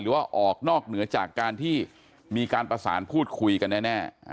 ว่าออกนอกเหนือจากการที่มีการประสานพูดคุยกันแน่